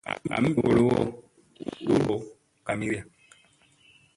Ami bolowo u do kawira.